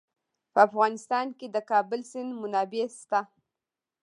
په افغانستان کې د د کابل سیند منابع شته.